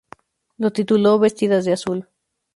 Lo tituló "Vestidas de azul.